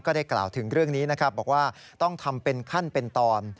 ได้กล่าวถึงเรื่องนี้นะครับบอกว่าต้องทำเป็นขั้นเป็นตอน